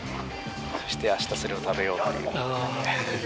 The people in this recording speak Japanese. そしてあしたそれを食べようという。